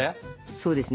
そうですね